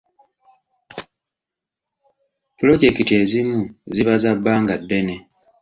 Pulojekiti ezimu ziba za bbanga ddene.